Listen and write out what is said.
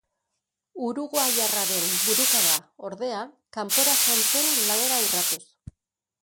Uruguaiarraren burukada, ordea, kanpora joan zen langa urratuz.